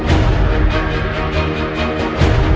aku mau pergi semuanya